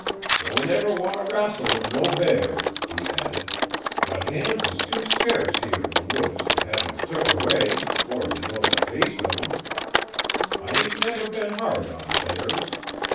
'Don't never wan' t' rassle with no bear,' he added, 'but hams is too scurce here 'n the woods t' hev 'em tuk away 'fore ye know the taste uv 'em. I ain't never been hard on bears.